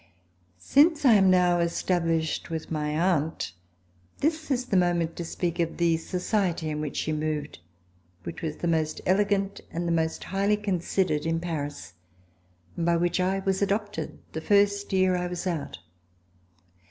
Since I am now established with my aunt, this is the moment to speak of the society in which she moved, which was the most elegant and the most highly considered in Paris, and by which I was adopted the first year that I was out.